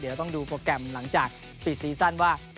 เดี๋ยวต้องดูโปรแกรมหลังจากปิดซีซั่นว่า